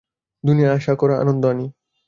দুনিয়ায় আশা আর আনন্দ আনি!